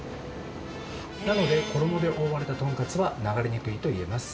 なので衣で覆われたトンカツは流れにくいと言えます。